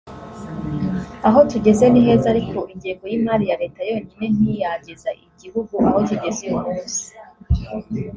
Aho tugeze ni heza ariko ingengo y’imari ya leta yonyine ntiyageza igihugu aho kigeze uyu munsi